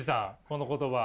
この言葉。